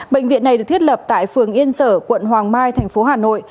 bệnh viện này được thiết lập tại phường yên sở quận hoàng mai thành phố hà nội